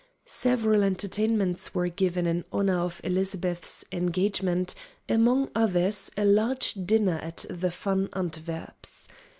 Several entertainments were given in honor of Elizabeth's engagement, among others a large dinner at the Van Antwerps'.